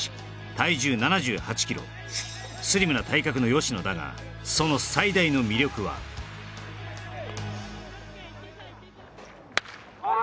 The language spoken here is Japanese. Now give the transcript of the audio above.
体重７８キロスリムな体格の吉野だがその最大の魅力は・走れ